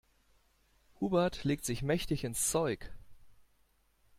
Hubert legt sich mächtig ins Zeug.